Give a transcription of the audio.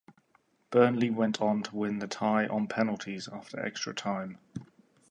Burnley went on to win the tie on penalties after extra time.